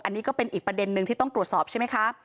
อันนี้ก็เป็นอีกประเด็นนึงที่ต้องตรวจสอบใช่ไหมคะ